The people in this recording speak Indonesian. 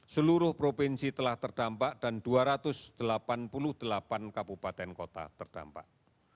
seluruh provinsi telah terdampak dan dua ratus delapan puluh delapan kabupaten kota terdampak